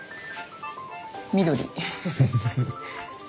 緑。